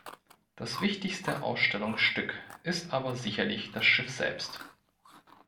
Das wichtigste Ausstellungsstück ist aber sicherlich das Schiff selbst.